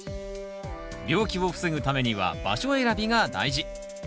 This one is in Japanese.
病気を防ぐためには場所選びが大事。